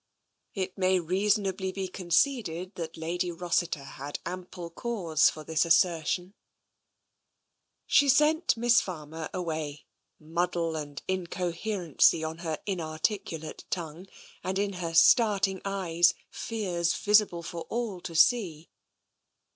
It may reasonably be conceded that Lady Rossiter had ample cause for the assertion. She sent Miss Farmer away, muddle and incohe rency on her inarticulate tongue, and in her starting eyes fears visible for all to see.